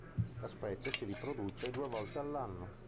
La specie si riproduce due volte all'anno.